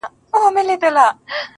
• بس یو امید دی لا راته پاته -